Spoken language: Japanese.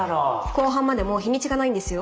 公判までもう日にちがないんですよ。